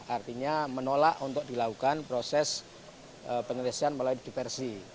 artinya menolak untuk dilakukan proses penyelesaian melalui diversi